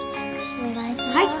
お願いします。